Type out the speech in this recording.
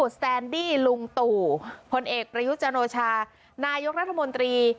สแตนดี้ลุงตู่พลเอกประยุจันโอชานายกรัฐมนตรี